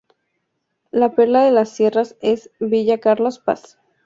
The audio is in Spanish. La perla de las sierras es Villa Carlos Paz.